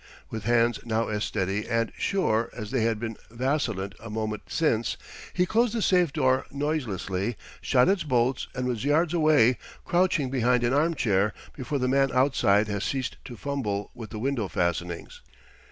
With hands now as steady and sure as they had been vacillant a moment since, he closed the safe door noiselessly, shot its bolts, and was yards away, crouching behind an armchair, before the man outside had ceased to fumble with the window fastenings.